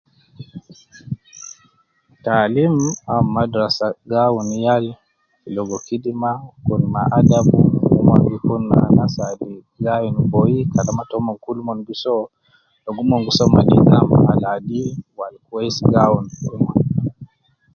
Taalim au madrasa gi awun yal logo kidima, kun ma adab, omon gi kun ma anas al gi ayin boyi kalama tomon kul mon gi soo logo mon gi soo me nidham al adil wu al kwesi ,gi awun fi umma